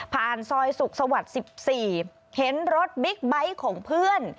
ซอยสุขสวรรค์๑๔เห็นรถบิ๊กไบท์ของเพื่อน